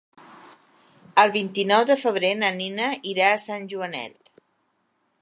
El vint-i-nou de febrer na Nina irà a Sant Joanet.